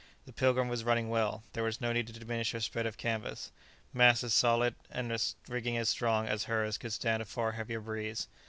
The "Pilgrim" was running well. There was no need to diminish her spread of canvas. Masts as solid and rigging as strong as hers could stand a far heavier breeze.